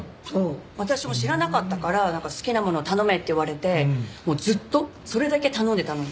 私も知らなかったからなんか好きなもの頼めって言われてもうずっとそれだけ頼んでたのよ。